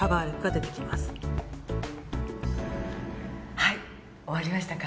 はい終わりましたか？